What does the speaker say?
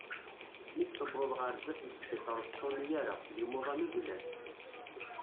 Mi d tewḍeḍ ɣer sdat n sbiṭar ur ttṣuni ara, d imuḍan i yellan.